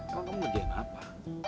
kalau kamu ngerjain apa